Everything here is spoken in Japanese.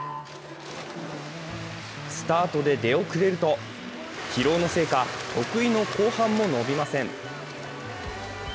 スタートで出遅れると、疲労のもいか得意の後半も伸びません。